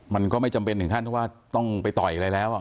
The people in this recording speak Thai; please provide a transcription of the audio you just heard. มันก็ไม่จำเป็นถึงขั้นว่าต้องไปต่อยอะไรแล้ว